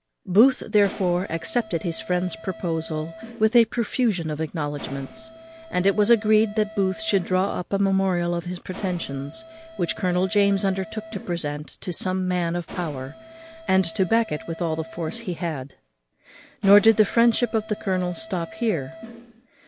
Booth, therefore, accepted his friend's proposal with a profusion of acknowledgments; and it was agreed that Booth should draw up a memorial of his pretensions, which Colonel James undertook to present to some man of power, and to back it with all the force he had. Nor did the friendship of the colonel stop here.